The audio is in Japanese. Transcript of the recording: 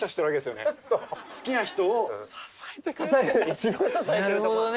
一番支えてるとこなの。